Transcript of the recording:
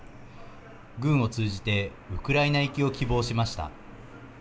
軍を通じてウクライナ行きを希望しました。